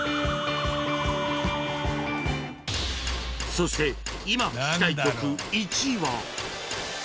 そして今聴きたい曲１位は